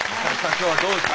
今日はどうですか？